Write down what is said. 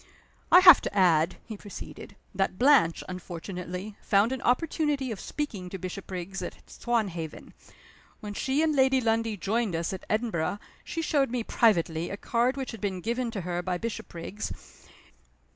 "I have to add," he proceeded, "that Blanche, unfortunately, found an opportunity of speaking to Bishopriggs at Swanhaven. When she and Lady Lundie joined us at Edinburgh she showed me privately a card which had been given to her by Bishopriggs.